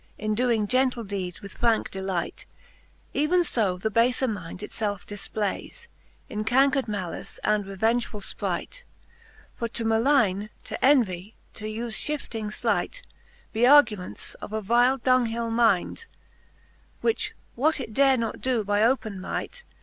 In doing gentle deedes with franke delight. Even fo the bafer mind it felfe difplayes, In cancred malice and revengefull fpight. For to maligne, t' en vie, t'ufe fhifting flight, Be arguments of a vile donghill mind, Which what it dare not do by open might.